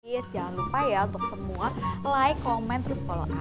yes jangan lupa ya untuk semua like komen terus follow up